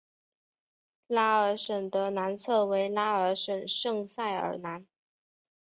拉尔什的南侧为拉尔什圣塞尔南。